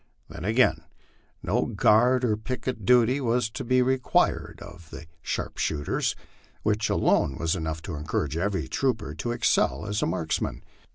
Then again no guard or picket duty was to be required of the sharpshooters, which alone was enough to encourage every trooper to excel as a marksman.